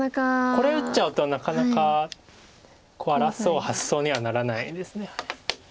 これ打っちゃうとなかなかコウを争う発想にはならないです。